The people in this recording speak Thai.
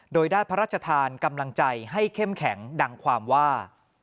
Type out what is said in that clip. โดยได้พระราชทานกำลังใจให้เข้มแข็งดังความว่า